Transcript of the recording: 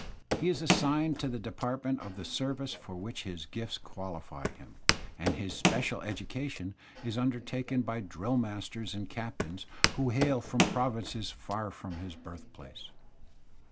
He is assigned to the department of the service for which his gifts qualify him, and his special education is imdertaken by drill masters and captains who hail from provinces far from his birthplace.